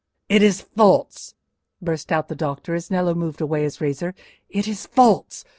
"It is false!" burst out the doctor, as Nello moved away his razor; "it is false!